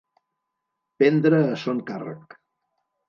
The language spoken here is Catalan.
Prendre a son càrrec.